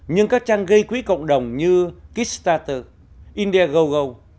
nhưng các trang gây quý cộng đồng như kickstarter indiegogo